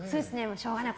しょうがない